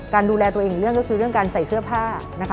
การดูแลตัวเองเรื่องก็คือเรื่องการใส่เสื้อผ้า